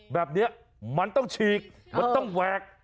แบบนี้มันต้องฉีกมันต้องแหวก